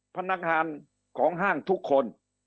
พนักงานของห้างทุกคน